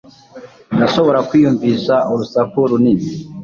ndashobora kwiyumvisha urusaku runini